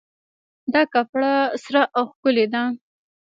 دا کپړه سره او ښکلې ده